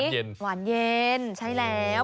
หวานเย็นใช่แล้ว